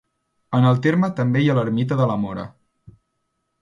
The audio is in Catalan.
En el terme també hi ha l'ermita de la Mora.